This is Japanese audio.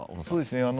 そうですね。